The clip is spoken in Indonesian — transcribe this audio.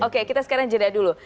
oke kita sekarang jeda dulu